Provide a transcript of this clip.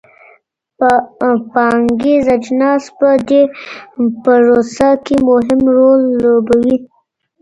پانګیز اجناس په دې پروسه کي مهم رول لوبوي.